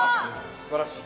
すばらしい。